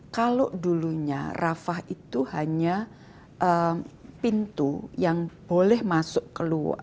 kalau dulunya rafah itu hanya pintu yang boleh masuk keluar